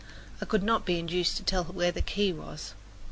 I could not be induced to tell where the key was.